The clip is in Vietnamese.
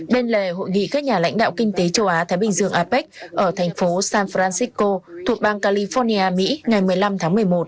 bên lề hội nghị các nhà lãnh đạo kinh tế châu á thái bình dương apec ở thành phố san francisco thuộc bang california mỹ ngày một mươi năm tháng một mươi một